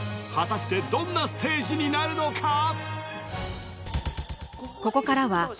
果たしてどんなステージになるのか？